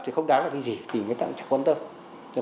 thì không đáng là cái gì thì người ta cũng chẳng quan tâm